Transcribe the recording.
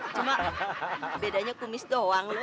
cuma bedanya kumis doang